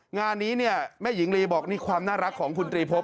งานนี้เนี่ยแม่หญิงลีบอกนี่ความน่ารักของคุณตรีพบ